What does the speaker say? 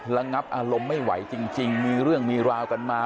ระงับอารมณ์ไม่ไหวจริงมีเรื่องมีราวกันมา